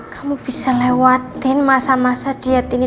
kamu bisa lewatin masa masa diet ini